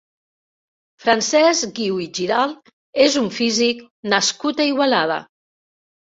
Francesc Guiu i Giralt és un físic nascut a Igualada.